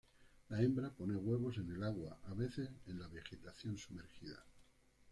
La hembra pone huevos en el agua, a veces en la vegetación sumergida.